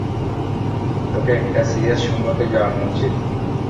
তোকে একটা সিরিয়াস সম্পর্কে জরানো উচিত।